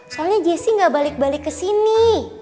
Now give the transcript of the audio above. soalnya jesi gak balik balik kesini